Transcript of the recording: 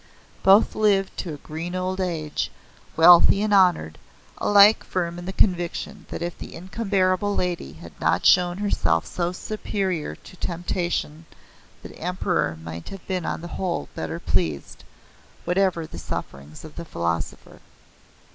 Both lived to a green old age, wealthy and honored, alike firm in the conviction that if the Incomparable Lady had not shown herself so superior to temptation the Emperor might have been on the whole better pleased, whatever the sufferings of the philosopher.